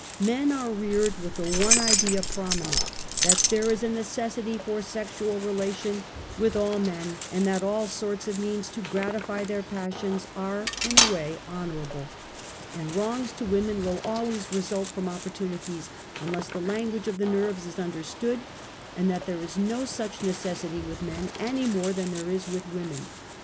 Men are reared with the one idea prominent, that "there is a necessity for sexual relation with all men,, and that all sorts of means to gratify their passions are in a way honorable," and wrongs to women will always result with opportunities, until the language of the nerves is understood, and that there is no suck " necessity with men" any more than there is w^ith w^omen.